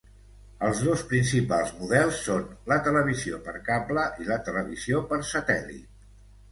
Els dos principals models són la televisió per cable i la televisió per satèl·lit.